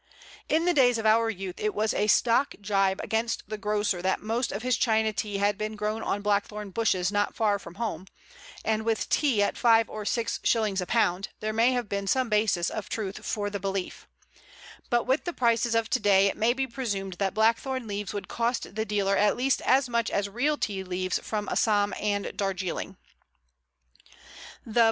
In the days of our youth it was a stock jibe against the grocer that most of his China tea had been grown on Blackthorn bushes not far from home, and with tea at five or six shillings a pound there may have been some basis of truth for the belief; but with the prices of to day it may be presumed that Blackthorn leaves would cost the dealer at least as much as real tea leaves from Assam and Darjeeling.